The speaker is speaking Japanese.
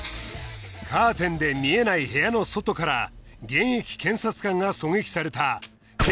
カーテンで見えない部屋の外から現役検察官が狙撃された検事射殺事件だったのだが